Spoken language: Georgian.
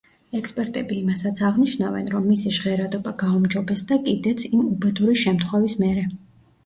ექსპერტები იმასაც აღნიშნავენ, რომ მისი ჟღერადობა გაუმჯობესდა კიდეც იმ უბედური შემთხვევის მერე.